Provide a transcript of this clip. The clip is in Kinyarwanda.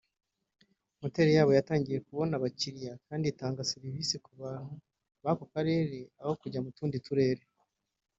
Motel yabo yatangiye kubona abakiliya kandi itanga serivise ku bantu b’ako karere aho kujya mu tundi turere